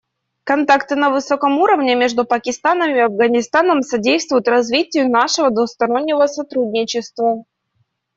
Контакты на высоком уровне между Пакистаном и Афганистаном содействуют развитию нашего двустороннего сотрудничества.